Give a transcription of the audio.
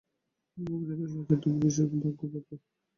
গর্বিণীর এত সাজের ধুম কিসের জন্য গো বাপু।